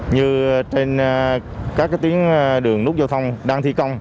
như trên các tuyến đường nút giao thông đang thi công